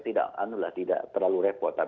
tidak anul lah tidak terlalu repot